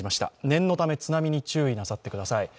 念のため津波に注意なさってください。